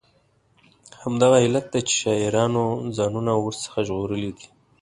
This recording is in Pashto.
همدغه علت دی چې شاعرانو ځانونه ور څخه ژغورلي دي.